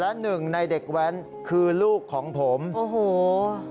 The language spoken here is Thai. และหนึ่งในเด็กแว้นคือลูกของผมโอ้โห